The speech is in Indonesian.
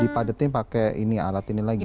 dipadetin pakai ini alat ini lagi